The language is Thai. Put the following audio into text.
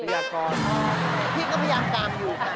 พยากรพี่ก็พยากรามอยู่ค่ะ